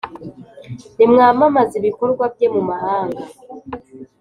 nimwamamaze ibikorwa bye mu mahanga.